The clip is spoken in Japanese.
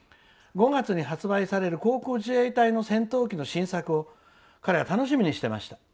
５月に発売される航空自衛隊の戦闘機の新作を彼は楽しみにしていました。